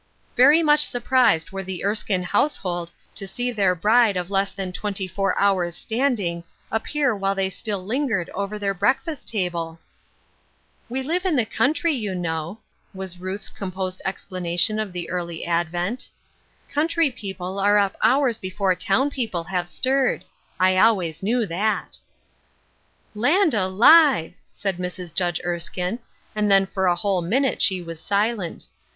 Very much surprised were the Erskine house hold to see their bride of less than twenty four hours' standing appear while they still lingered over their breakfast table !" We live in the country, you know," was Ruth's composed explanation of the early advent. " Country people are up hours before town peo ple have stirred ; I always knew that." " Land alive !" said Mrs. Judge Erskine, and then for a whole minute she was silent.